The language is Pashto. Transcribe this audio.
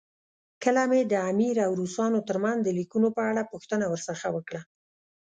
کله مې د امیر او روسانو ترمنځ د لیکونو په اړه پوښتنه ورڅخه وکړه.